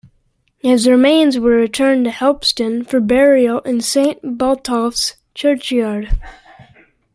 His remains were returned to Helpston for burial in Saint Botolph's churchyard.